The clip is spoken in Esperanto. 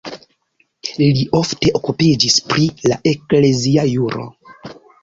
Li ofte okupiĝis pri la eklezia juro.